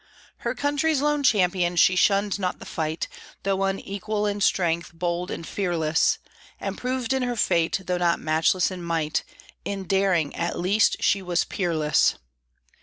Her country's lone champion, she shunned not the fight, Though unequal in strength, bold and fearless; And proved in her fate, though not matchless in might, In daring at least she was peerless.